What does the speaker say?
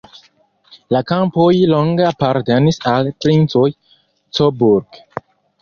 La kampoj longe apartenis al princoj Coburg.